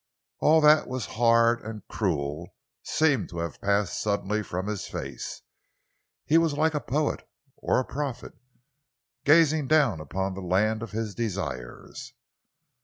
All that was hard and cruel seemed to have passed suddenly from his face. He was like a poet or a prophet, gazing down upon the land of his desires.